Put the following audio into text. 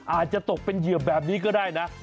อาจจะตกเป็นเหยื่อแบบนี้ก็ได้นะ